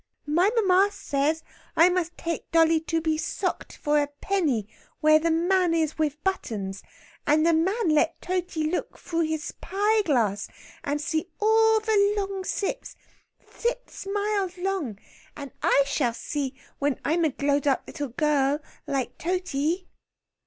"My mummar says I must tate dolly to be socked for a penny where the man is wiv buttons and the man let Totey look froo his pyglass, and see all ve long sips, sits miles long and I shall see when I'm a glowed up little girl, like Totey."